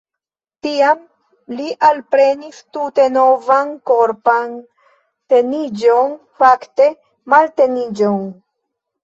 Tiam li alprenis tute novan korpan teniĝon – fakte malteniĝon.